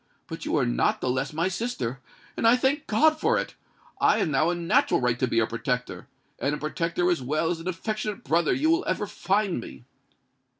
But you are not the less my sister—and I thank God for it! I have now a natural right to be your protector—and a protector as well as an affectionate brother will you ever find me!"